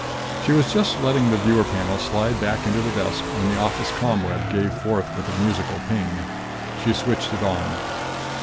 She was just letting the viewer panel slide back into the desk when the office ComWeb gave forth with a musical ping. She switched it on.